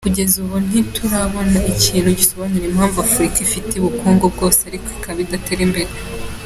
Kugeza ubu ntiturabona ikintu gisobanura impamvu Afurika ifite ubukungu bwose ariko ikaba idatera imbere.